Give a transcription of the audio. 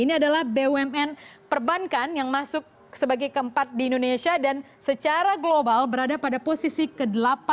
ini adalah bumn perbankan yang masuk sebagai keempat di indonesia dan secara global berada pada posisi ke delapan